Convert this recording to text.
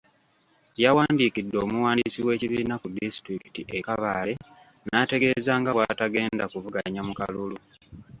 Yawandikidde Omuwandiisi w'ekibiina ku disitulikiti e Kabale n'ategeeza nga bw'atagenda kuvuganya mu kalulu.